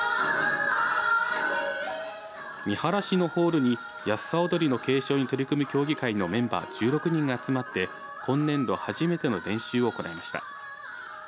三原市のホールにやっさ踊りの継承に取り組む協議会のメンバー１６人が集まって今年度初めての練習を行いました。